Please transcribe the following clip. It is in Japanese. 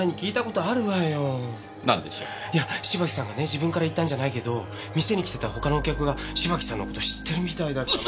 自分から言ったんじゃないけど店に来てた他のお客が芝木さんの事知ってるみたいだったの。